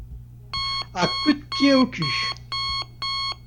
À coups de pied au cul!